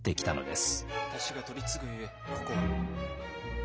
私が取り次ぐゆえここは。